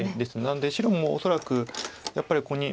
なので白も恐らくやっぱりここに。